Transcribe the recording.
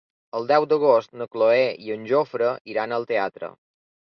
El deu d'agost na Cloè i en Jofre iran al teatre.